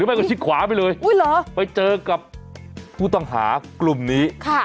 เป็นไปกว่าชิดขวาไปเลยอุ้ยเหรอไปเจอกับผู้ต่างหากลุ่มนี้ค่ะ